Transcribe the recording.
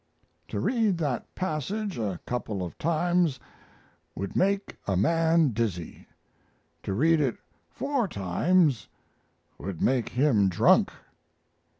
To read that passage a couple of times would make a man dizzy; to read it four times would make him drunk.